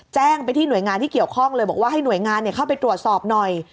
แจ้งไปที่หน่วยงานที่เกี่ยวข้องเลยบอกว่าให้หน่วยงานเข้าไปตรวจสอบหน่อย